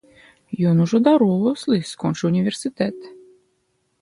Ён ужо дарослы, скончыў універсітэт.